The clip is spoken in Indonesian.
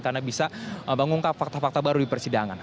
karena bisa bangunkah fakta fakta baru di persidangan